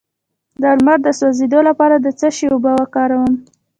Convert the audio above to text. د لمر د سوځیدو لپاره د څه شي اوبه وکاروم؟